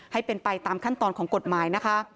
ให้เป็นไปตามขั้นตอนของกฎหมายนะคะ